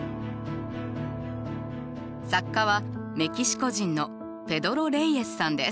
作家はメキシコ人のペドロ・レイエスさんです。